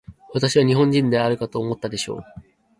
私は日本人であるかと思ったでしょう。